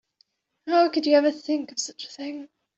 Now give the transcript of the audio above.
How could you ever think of such a thing?